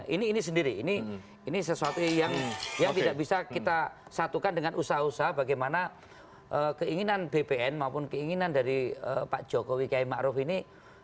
ini ini sendiri ini sesuatu yang tidak bisa kita satukan dengan usaha usaha bagaimana keinginan bpn maupun keinginan dari pak jokowi kiai ⁇ maruf ⁇ ini